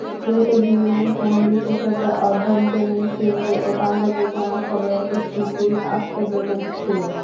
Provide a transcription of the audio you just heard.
দেশের বিভিন্ন স্থানে বিশেষত অভ্যন্তরীণ সিন্ধু ও পাঞ্জাবের জনসভায় উপস্থিতি আশ্চর্যজনক ছিল।